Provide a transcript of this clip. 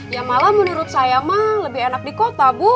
ya malah menurut saya mah lebih enak di kota bu